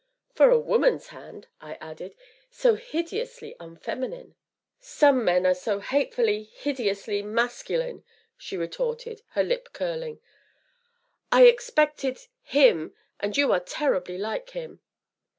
"For a woman's hand," I added, "so hideously unfeminine!" "Some men are so hatefully hideously masculine!" she retorted, her lip curling. "I expected him and you are terribly like him."